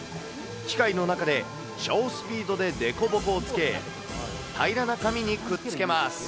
機械の中で超スピードで凸凹をつけ、平らな紙にくっつけます。